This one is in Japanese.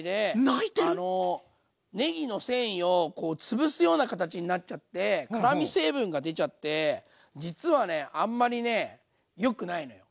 泣いてる⁉ねぎの繊維を潰すような形になっちゃって辛味成分が出ちゃって実はねあんまりねよくないのよ。